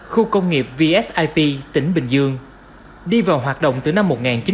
khu công nghiệp vsip tỉnh bình dương đi vào hoạt động từ năm một nghìn chín trăm chín mươi